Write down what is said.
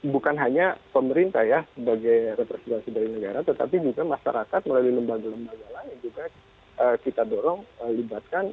bukan hanya pemerintah ya sebagai representasi dari negara tetapi juga masyarakat melalui lembaga lembaga lain juga kita dorong libatkan